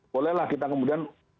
bolehlah kita kemudian memasak